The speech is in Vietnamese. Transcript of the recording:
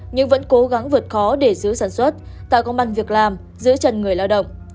nhưng vẫn cố gắng vượt khó để giữ sản xuất tạo công an việc làm giữ chân người lao động